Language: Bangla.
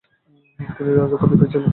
তিনি রাজা উপাধি পেয়েছিলেন।